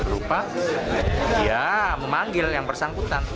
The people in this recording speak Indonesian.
lupa ya memanggil yang bersangkutan